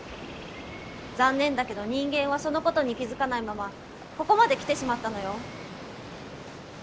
残念だけど人間はそのことに気付かないままここまで来てしまったのよ。